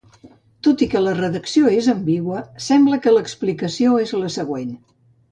Tot i que la redacció és ambigua, sembla que l’explicació és la següent.